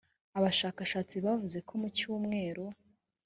abashakashatsi bavuze ko mu cyumweru